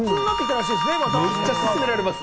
めっちゃすすめられます。